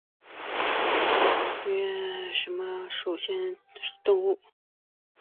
横殖短腺吸虫为双腔科短腺属的动物。